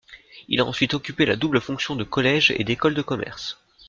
Il a ensuite occupé la double fonction de collège et d'école de commerce.